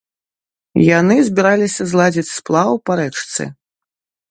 Яны збіраліся зладзіць сплаў па рэчцы.